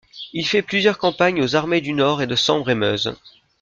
Il fait plusieurs campagnes aux armées du Nord et de Sambre-et-Meuse.